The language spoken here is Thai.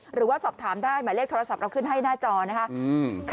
หรือว่าสอบถามได้หมายเลขโทรศัพท์เราขึ้นให้หน้าจอนะคะ